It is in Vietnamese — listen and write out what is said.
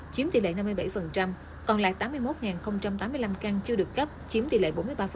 chiếm tỷ lệ năm mươi bảy còn lại tám mươi một tám mươi năm căn chưa được cấp chiếm tỷ lệ bốn mươi ba